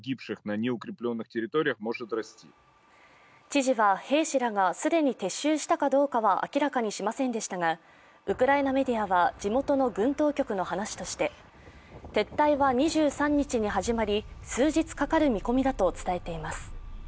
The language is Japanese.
知事は兵士らが既に撤収したかどうかは明らかにしませんでしたがウクライナメディアは地元の軍当局の話として撤退は２３日に始まり、数日かかる見込みだと伝えています。